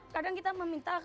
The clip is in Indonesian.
kadang kita meminta ke politik